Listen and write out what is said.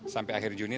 sampai akhir juni